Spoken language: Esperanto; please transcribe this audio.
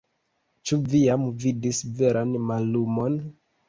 Ĉu vi jam vidis veran mallumon?